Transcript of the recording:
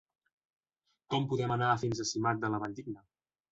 Com podem anar fins a Simat de la Valldigna?